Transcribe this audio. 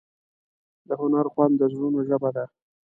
د هنر خوند د زړونو ژبه ده.